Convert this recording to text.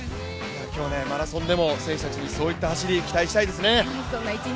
今日、マラソンでも選手たちにそういった走りを期待したいですね。